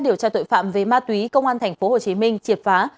điều tra tội phạm về ma túy công an tp hcm triệt phá